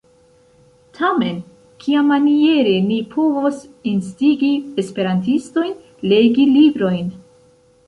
Tamen kiamaniere ni povos instigi esperantistojn legi librojn?